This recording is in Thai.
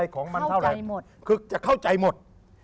ของมันเท่าไหร่